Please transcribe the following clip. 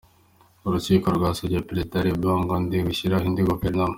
Urukiko rwasabye Perezida Ali Bongo Ondimba gushyiraho indi Guverinoma.